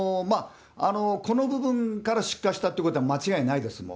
この部分から出火したということは間違いないですね。